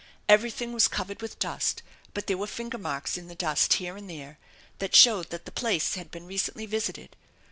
Everything was covered with dust, but there were finger marks in the dust here and there that showed the place had been recently visited.